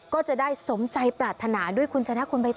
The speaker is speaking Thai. ก็จะได้สมใจปรารถนาด้วยคุณชนะคุณใบต